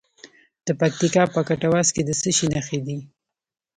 د پکتیکا په کټواز کې د څه شي نښې دي؟